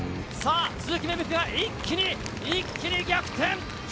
鈴木芽吹が一気に逆転。